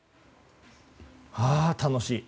ああ、楽しい。